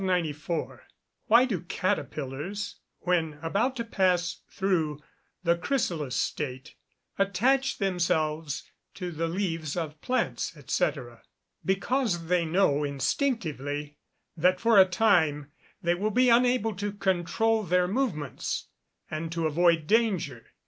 Why do caterpillars, when about to pass through the chrysalis state, attach themselves to the leaves of plants, &c.? Because they know instinctively that for a time they will be unable to controul their own movements, and to avoid danger.